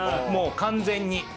もう完全に。